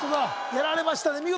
やられましたね